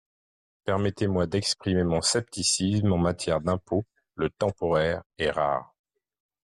Permettez-moi d’exprimer mon scepticisme, en matière d’impôt, le temporaire est rare.